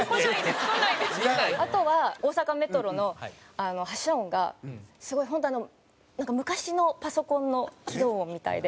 あとは大阪メトロの発車音がすごい本当昔のパソコンの起動音みたいで。